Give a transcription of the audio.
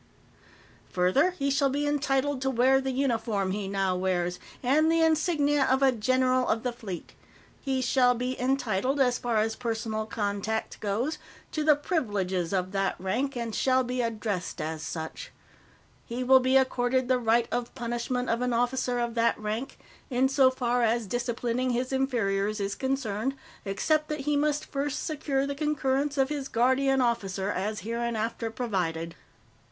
"Further, he shall be entitled to wear the uniform he now wears, and the insignia of a General of the Fleet. He shall be entitled, as far as personal contact goes, to the privileges of that rank, and shall be addressed as such. "He will be accorded the right of punishment of an officer of that rank, insofar as disciplining his inferiors is concerned, except that he must first secure the concurrence of his Guardian Officer, as hereinafter provided.